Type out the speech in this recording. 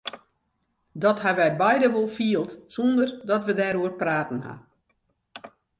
Dat ha we beide wol field sonder dat we dêroer praten ha.